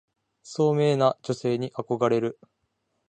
聡明な女性に憧れる